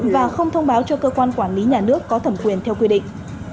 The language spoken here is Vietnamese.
và không thông báo cho cơ quan quản lý nhà nước có thẩm quyền theo quy định